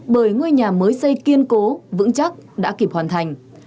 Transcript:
bởi ngôi nhà mới xây kiên cố vững chắc đã kịp hoàn thành